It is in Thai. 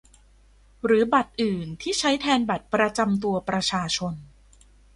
หรือบัตรอื่นที่ใช้แทนบัตรประจำตัวประชาชน